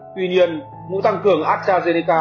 tuy nhiên mũi tăng cường astrazeneca